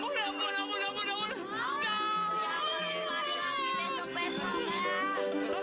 marilah sini besok besoknya ya